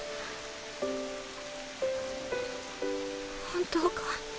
本当か？